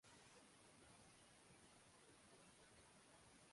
যোগেন্দ্র ডাকিল, অক্ষয়!